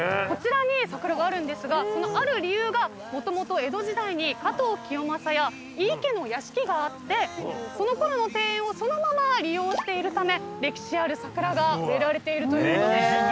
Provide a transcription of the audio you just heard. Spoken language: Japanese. こちらに桜があるんですがそのある理由がもともと江戸時代に加藤清正や井伊家の屋敷があってそのころの庭園をそのまま利用しているため歴史ある桜が植えられているということです。